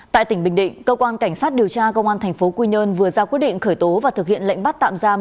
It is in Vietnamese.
tại tỉnh bình định cơ quan cảnh sát điều tra công an tp quy nhơn vừa ra quyết định khởi tố và thực hiện lệnh bắt tạm giam